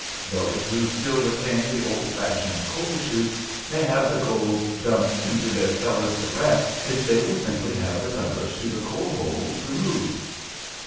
Those who still retain the old fashioned coal chutes can have the gold dumped into their cellars direct if they will simply have the covers to the coal holes removed."